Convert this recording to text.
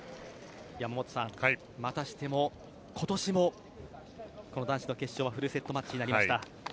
またしても、今年もこの男子の決勝フルセットマッチになりました。